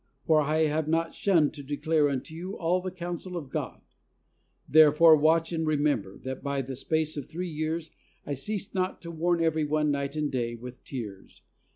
For I have not shunned to declare unto you all the counsel of God ... Therefore watch, and remember, that by the space of three years I ceased not to warn everyone night and day with tears."